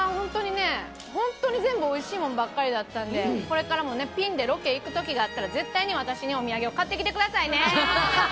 本当に全部おいしいもんばっかりだったのでこれからもピンでロケ行く時があったら絶対に私にお土産を買ってきてくださいね！